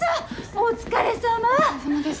お疲れさまです。